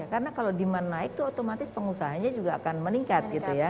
karena kalau demand naik itu otomatis pengusahanya juga akan meningkat gitu ya